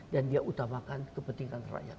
dan dia utamakan kepentingan rakyat